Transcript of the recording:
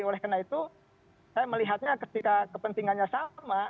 oleh karena itu saya melihatnya ketika kepentingannya sama